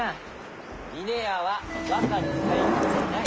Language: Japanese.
「峰屋は若の財布じゃない」！